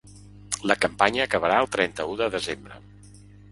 La campanya acabarà el trenta-u de desembre.